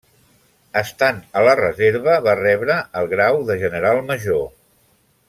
Estant a la reserva, va rebre el grau de General Major.